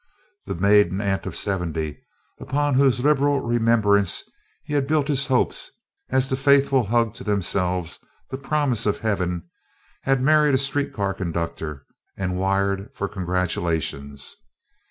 The maiden aunt of seventy, upon whose liberal remembrance he had built his hopes as the Faithful hug to themselves the promise of heaven, had married a street car conductor and wired for congratulations.